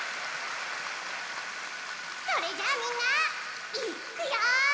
それじゃあみんないっくよ！